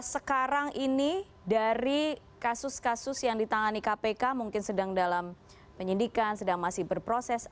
sekarang ini dari kasus kasus yang ditangani kpk mungkin sedang dalam penyidikan sedang masih berproses